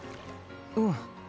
うん。